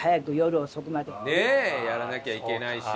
ねえ！やらなきゃいけないし。